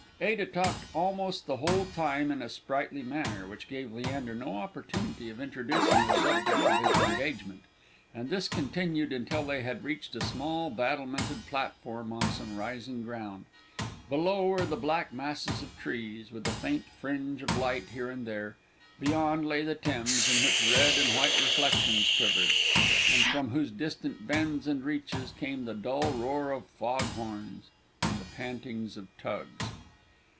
Ada talked almost the whole time in a sprightly manner, which gave Leander no opportunity of introducing the subject of his engagement, and this continued until they had reached a small battlemented platform on some rising ground; below were the black masses of trees, with a faint fringe of light here and there; beyond lay the Thames, in which red and white reflections quivered, and from whose distant bends and reaches came the dull roar of fog horns and the pantings of tugs.